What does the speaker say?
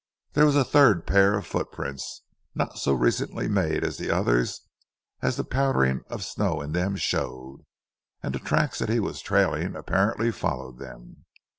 There was a third pair of footprints, not so recently made as the others, as the powdering of snow in them showed, and the tracks that he was trailing apparently followed them.